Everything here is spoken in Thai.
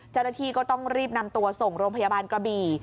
เจ้าหน้าที่ก็ต้องรีบนำตัวส่งโรงพยาบาลกระบี่